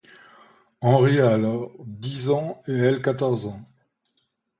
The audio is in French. Henri a alors dix ans et elle quatorze ans.